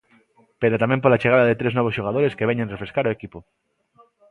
Pero tamén pola chegada de tres novos xogadores que veñen refrescar ao equipo.